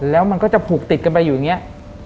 แล้วมันก็จะผูกติดกันไปอยู่อย่างนี้